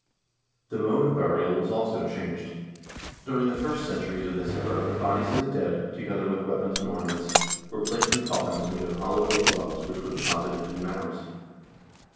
The mode of burial was also changed. During the first cen turies of this era the bodies of the dead, together with weapons and ornaments, were placed in coffins made of hollowed oak logs which were deposited in mounds.